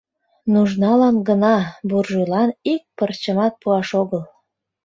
Нужналан гына, «буржуйлан», ик пырчымат пуаш огыл.